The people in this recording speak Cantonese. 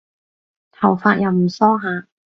頭髮又唔梳下